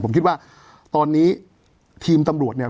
ผมคิดว่าตอนนี้ทีมตำรวจเนี่ย